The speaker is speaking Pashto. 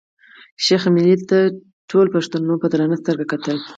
شېخ ملي ته ټولو پښتنو په درنه سترګه کتل.